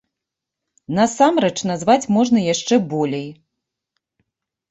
Насамрэч назваць можна яшчэ болей.